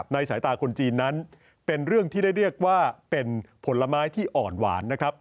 สายตาคนจีนนั้นเป็นเรื่องที่ได้เรียกว่าเป็นผลไม้ที่อ่อนหวานนะครับ